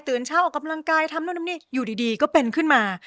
เช้าออกกำลังกายทำนู่นทำนี่อยู่ดีก็เป็นขึ้นมา